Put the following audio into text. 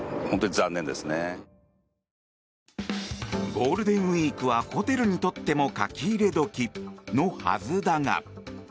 ゴールデンウィークはホテルにとっても書き入れ時のはずだが。